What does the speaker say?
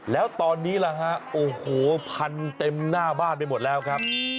แล้วตอนนี้ล่ะฮะโอ้โหพันเต็มหน้าบ้านไปหมดแล้วครับ